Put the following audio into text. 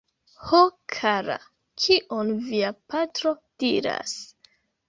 Ho kara, kion via patro diras?